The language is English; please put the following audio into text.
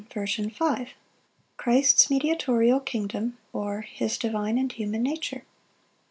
Fourth Part. Christ's mediatorial kingdom; or, His divine and human nature.